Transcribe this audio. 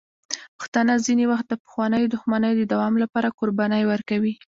پښتانه ځینې وخت د پخوانیو دښمنیو د دوام لپاره قربانۍ ورکوي.